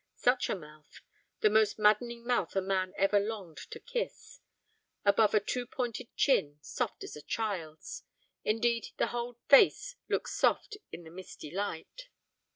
Such a mouth, the most maddening mouth a man ever longed to kiss, above a too pointed chin, soft as a child's; indeed, the whole face looks soft in the misty light.